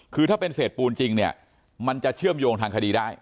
คือถ้าเป็นเศษปูนจริงเนี่ยมันจะเชื่อมโยงทางคดีได้